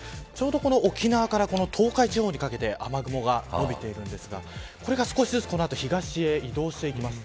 沖縄から東海地方にかけて雨雲が伸びているんですがこれが少しずつ東へ移動してきます。